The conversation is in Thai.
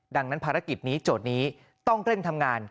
ดังนั้นภารกิจนี้โจทย์นี้ต้องเร่งทำงาน